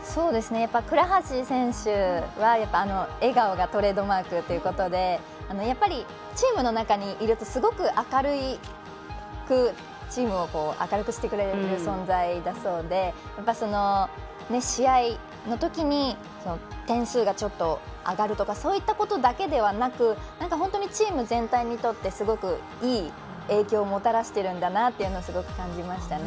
倉橋選手は、あの笑顔がトレードマークということでチームの中にいるとすごくチームを明るくしてくれる存在だそうで、試合のときに点数がちょっと上がるとかそういったことだけではなく本当にチーム全体にとってすごくいい影響をもたらしてるんだなというのをすごく感じましたね。